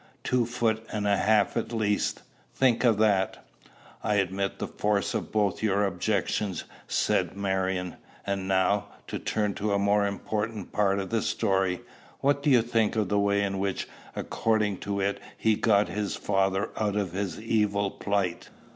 Two foot and a half at least! Think of that!" "I admit the force of both your objections," said Marion. "And now, to turn to a more important part of the story, what do you think of the way in which according to it he got his father out of his evil plight?"